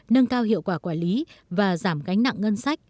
nâng cao hiệu quả quản lý và giảm gánh nặng ngân sách